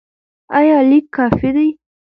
ایا لیک کافي دی؟